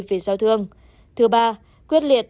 về giao thương thứ ba quyết liệt